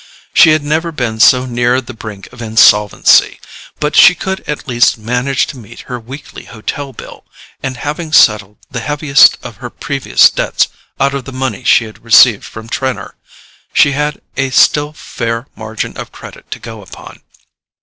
She had never been so near the brink of insolvency; but she could at least manage to meet her weekly hotel bill, and having settled the heaviest of her previous debts out of the money she had received from Trenor, she had a still fair margin of credit to go upon.